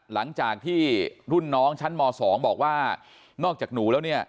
หลังจากที่รุ่นน้องชั้นม๒บอกว่านอกจากหนูแล้วเนี่ย